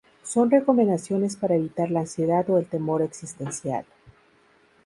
Son recomendaciones para evitar la ansiedad o el temor existencial.